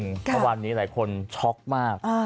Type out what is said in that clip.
เมื่อวานนี้หลายคนช็อกมาก